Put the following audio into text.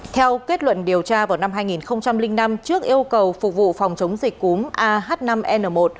theo kết luận điều tra vào năm hai nghìn năm trước yêu cầu phục vụ phòng chống dịch cúm ah năm n một